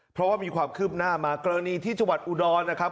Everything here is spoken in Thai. เพราะว่ามีความคืบหน้ามากรณีที่จังหวัดอุดรนะครับ